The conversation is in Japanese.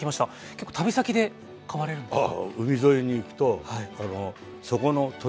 結構旅先で買われるんですか？